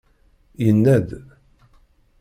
Yenna-d.